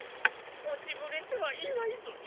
落ちぶれてはいないぞよ。